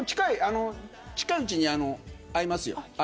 近いうちに会いますよ。